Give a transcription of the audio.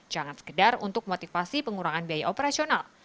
jangan sekedar untuk motivasi pengurangan biaya operasional